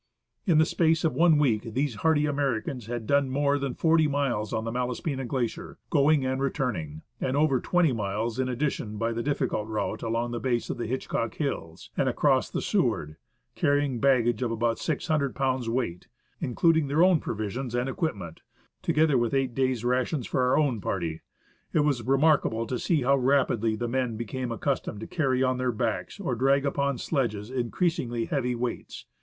In the space of one week these hardy Americans had done more than forty miles on the Malaspina Glacier (going and returning), and over twenty miles in addition by the difficult route along the base 116 X < en o O C CJ SEWARD GLACIER, DOME PASS, AND AGASSIZ GLACIER of the Hitchcock Hills and across the Seward, carrying baggage of about 600 lbs. weight, including their own provisions and equipment, together with eight days' rations for our own party. It was remarkable to see how rapidly the men became accustomed to carry on their backs or drag upon sledges increasingly heavy weights.